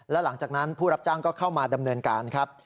และหลังจากนั้นผู้รับจ้างก็เข้ามาดำเนินการครับ